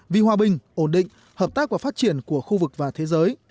vì hòa bình ổn định hợp tác và phát triển của khu vực và thế giới